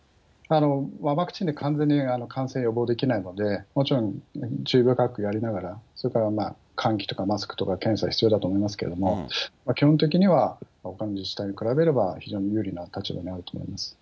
ワクチンで完全に感染は予防できないので、もちろん注意深くやりながら、それから換気とかマスクとか検査は必要だと思いますけれども、基本的には、ほかの自治体に比べれば、非常に有利な立場にあると思います。